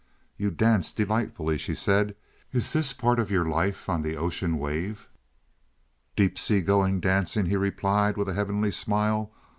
"You dance delightfully," she said. "Is this a part of your life on the ocean wave?" "Deep sea going dancing," he replied, with a heavenly smile.